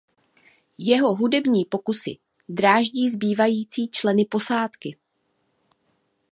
Jeho hudební pokusy dráždí zbývající členy posádky.